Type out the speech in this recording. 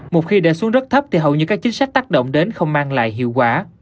một khi để xuống rất thấp thì hầu như các chính sách tác động đến không mang lại hiệu quả